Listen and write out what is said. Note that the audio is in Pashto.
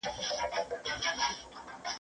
وه زما سالاره بیا په ژوند کي رهبر نه راځې؟